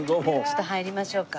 ちょっと入りましょうか。